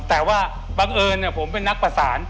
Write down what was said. แต่ว่าบังเอิญผมเป็นนักประสาน